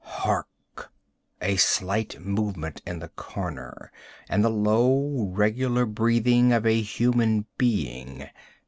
Hark! A slight movement in the corner, and the low, regular breathing of a human being!